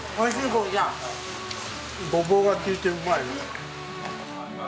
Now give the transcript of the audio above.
ごぼうが利いてうまい。